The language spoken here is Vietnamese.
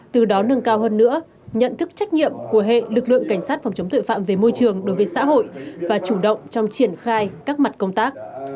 từ đó nâng cao hơn nữa nhận thức trách nhiệm của hệ lực lượng cảnh sát phòng chống tội phạm về môi trường đối với xã hội và chủ động trong triển khai các mặt công tác